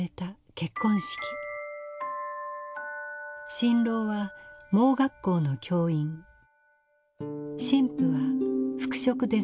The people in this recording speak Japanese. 新郎は盲学校の教員新婦は服飾デザイナー。